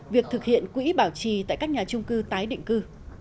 việc thực hiện quỹ bảo trì tại các nhà trung cư tái định cư